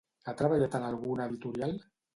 Ha treballat en alguna editorial?